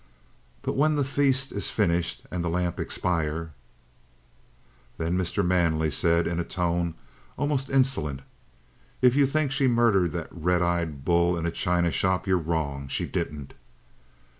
"But when the feast is finished and the lamps expire " Then Mr. Manley said, in a tone almost insolent: "If you think she murdered that red eyed bull in a china shop, you're wrong. She didn't."